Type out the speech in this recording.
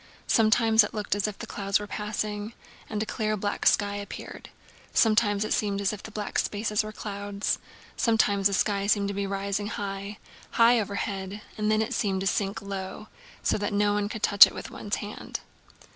Sometimes it looked as if the clouds were passing, and a clear black sky appeared. Sometimes it seemed as if the black spaces were clouds. Sometimes the sky seemed to be rising high, high overhead, and then it seemed to sink so low that one could touch it with one's hand.